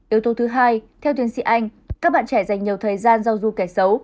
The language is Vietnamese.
yếu tố thứ hai theo tiến sĩ anh các bạn trẻ dành nhiều thời gian giáo dục kẻ xấu